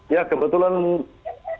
ya kebetulan saya juga berada di rumah saja